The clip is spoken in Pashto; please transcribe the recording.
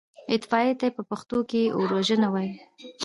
اطفائيې ته په پښتو کې اوروژنه وايي.